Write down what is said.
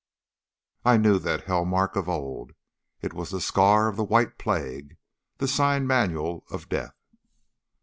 I knew that hell mark of old. It was the scar of the white plague, the sign manual of death.